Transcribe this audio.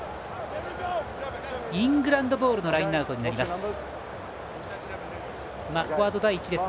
イングランドボールのラインアウトになります。